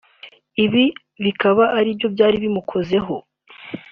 Ibi bikaba aribyo byari bimukozeho